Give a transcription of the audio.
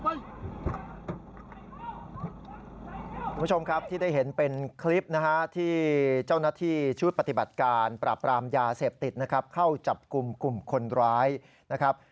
คุณผู้ชมครับที่ได้เห็นเป็นคลิปนะฮะที่เจ้าหน้าที่ชุดปฏิบัติการปราบรามยาเสพติดนะครับเข้าจับกลุ่มกลุ่มคนร้ายนะครับ